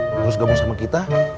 terus gabung sama kita